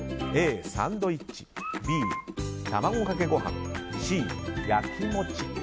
Ａ、サンドイッチＢ、卵かけご飯Ｃ、焼き餅。